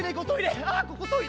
ああっここトイレ！